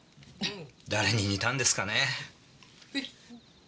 誰に似たんですかねえ。